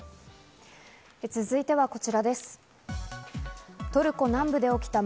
続いてはこちらです。